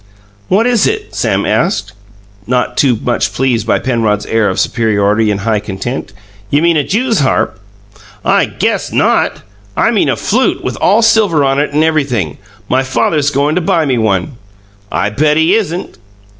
"What is it?" Sam asked, not too much pleased by Penrod's air of superiority and high content. "You mean a jew's harp?" "I guess not! I mean a flute with all silver on it and everything. My father's goin' to buy me one." "I bet he isn't!"